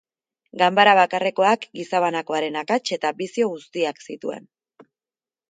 Ganbara bakarrekoak gizabanakoaren akats eta bizio guztiak zituen.